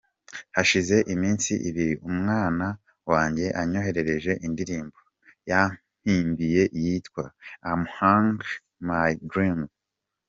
Hashize iminsi ibiri umwana wanjye anyoherereje indirimbo yampimbiye yitwa "I’m hugging my dreams".